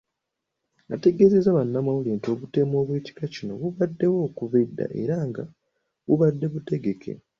Ategeezezza bannamawulire nti obutemu obw’ekika kino bubaddewo okuva dda era nga bubadde butegeke.